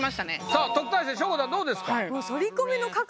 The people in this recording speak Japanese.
さあ特待生しょこたんどうですか？